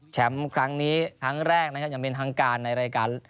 ครั้งนี้ครั้งแรกนะครับอย่างเป็นทางการในรายการ